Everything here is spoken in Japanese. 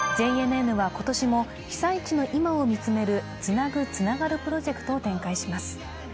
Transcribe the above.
ＪＮＮは今年も被災地の今を見つめる「つなぐ、つながる」プロジェクトを展開します。